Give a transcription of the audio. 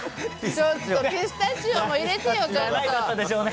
ちょっと、ピスタチオも入れてよ、ちょっと。